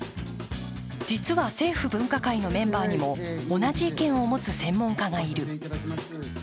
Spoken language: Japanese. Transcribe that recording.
実は、政府分科会のメンバーにも同じ意見を持つ専門家がいる。